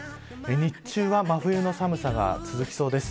日中は、真冬の寒さが続きそうです。